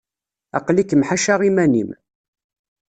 Aql-ikem ḥaca iman-im.